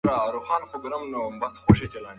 مقاومت مې د خلاصون یوازینۍ لاره وه.